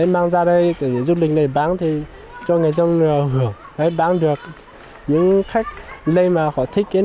mang ra đây để du lịch này bán thì cho người dân hưởng bán được những khách